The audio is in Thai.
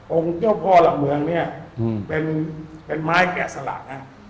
โรงเจ้าพ่อหลักเมืองเป็นไม้แกะสลาก